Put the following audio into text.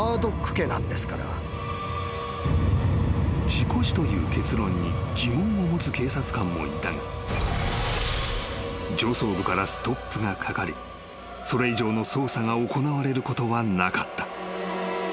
［事故死という結論に疑問を持つ警察官もいたが上層部からストップがかかりそれ以上の捜査が行われることはなかった］